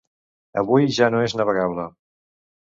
Avui ja no és navegable.